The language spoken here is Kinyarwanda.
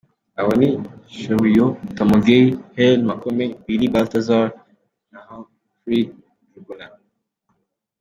Abo ni Cheruiyot Tamogei, Hellen Makome, Billy Baltazar na Humphrey Njuguna.